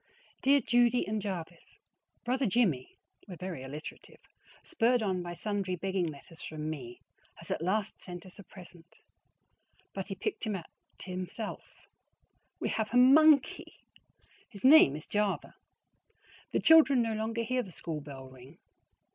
Dear Judy and Jervis: Brother Jimmie (we are very alliterative!), spurred on by sundry begging letters from me, has at last sent us a present; but he picked it out himself. WE HAVE A MONKEY! His name is Java. The children no longer hear the school bell ring.